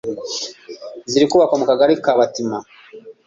ziri kubakwa mu kagali ka Batima